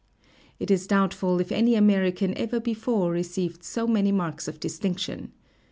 It is doubtful if any American ever before received so many marks of distinction.